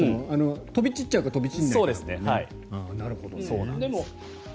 飛び散っちゃうか飛び散らないかだもんね。